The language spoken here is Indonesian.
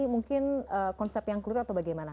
mungkin konsep yang clear atau bagaimana